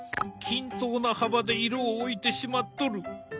均等な幅で色を置いてしまっとる！